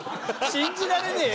信じられねえよ！